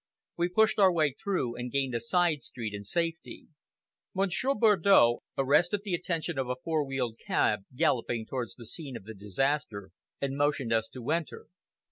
We pushed our way through, and gained a side street in safety. Monsieur Bardow arrested the attention of a four wheeled cab galloping towards the scene of the disaster, and motioned us to enter.